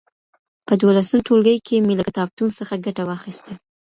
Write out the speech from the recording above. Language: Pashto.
په دولسم ټولګي کي مي له کتابتون څخه ګټه واخيسته.